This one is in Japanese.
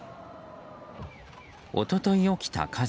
一昨日起きた火事。